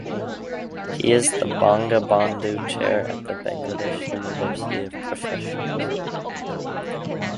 He is the Bangabandhu Chair at the Bangladesh University of Professionals.